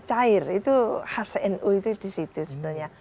cair itu khas nu itu disitu sebenarnya